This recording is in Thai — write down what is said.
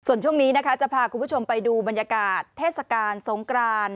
ส่วนช่วงนี้นะคะจะพาคุณผู้ชมไปดูบรรยากาศเทศกาลสงกราน